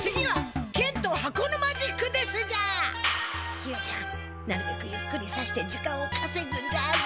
ひよちゃんなるべくゆっくりさして時間をかせぐんじゃぞ。